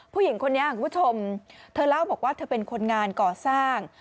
ผู้หญิงคนนี้คุณผู้ชมเธอเล่าบอกว่าเธอเป็นคนงานก่อสร้าง